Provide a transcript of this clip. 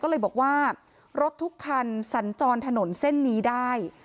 ก็เลยบอกว่ารถทุกคันสัญจรถนนเส้นนี้ได้